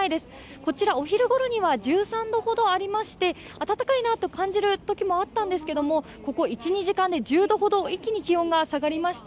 こちらお昼ごろには１３度ほどありまして暖かいなと感じるときもあったんですけど、ここ１２時間ほどで一気に１０度ほど、気温が下がりました。